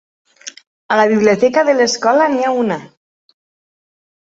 A la biblioteca de l'escola n'hi ha una!